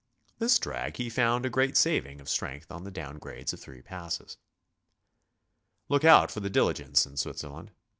This drag he found a great saving of strength on the down grades of three passes. Look out for the diligence in Switzerland.